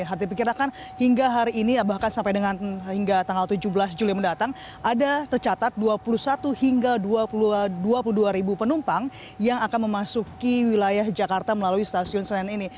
yang diperkirakan hingga hari ini bahkan sampai dengan hingga tanggal tujuh belas juli mendatang ada tercatat dua puluh satu hingga dua puluh dua ribu penumpang yang akan memasuki wilayah jakarta melalui stasiun senen ini